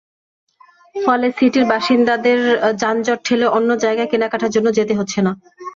ফলে সিটির বাসিন্দাদের যানজট ঠেলে অন্য জায়গায় কেনাকাটার জন্য যেতে হচ্ছে না।